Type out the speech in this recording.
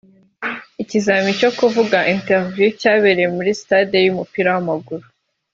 Ikizamini cyo kuvuga (interview) cyabereye muri sitade y’umupira w’amaguru